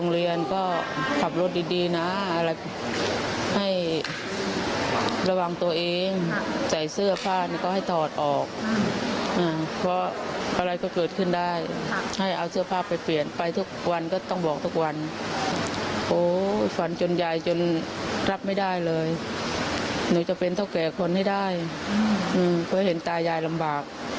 เรียนเท่าแก่คนให้ได้เพื่อเห็นตายายลำบาก